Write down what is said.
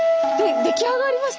出来上がりました？